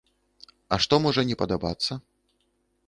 А што можа не падабацца?